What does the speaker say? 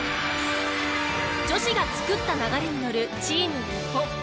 女子が作った流れにのるチーム日本。